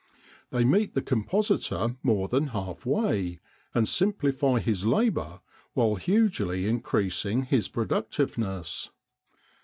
They meet the compositor more than half way, and simplify his labour while hugely increasing his productiveness.